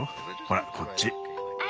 ほらこっち。